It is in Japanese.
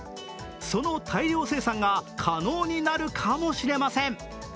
その大量生産が可能になるかもしれません。